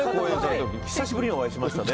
久しぶりにお会いしましたね。